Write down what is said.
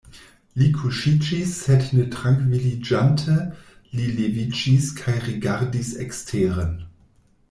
Li kuŝiĝis sed ne trankviliĝante li leviĝis kaj rigardis eksteren.